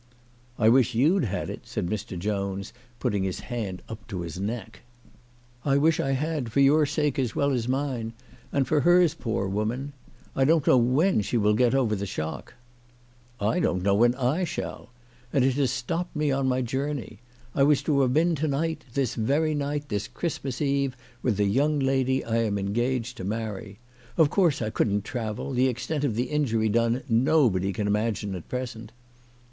" I wish you'd had it," said Mr. Jones, putting his hand up to his neck. " I wish I had, for your sake as well as mine, 242 CHRISTMAS AT THOMPSON HALL. and for hers, poor woman. I don't know when she will get over the shock." " I don't know when I shall. And it has stopped me on my journey. I was to have been to night, this very night, this Christmas Eve, with the young lady I am engaged to marry. Of course I couldn't travel. The extent of the injury done nobody can imagine at present."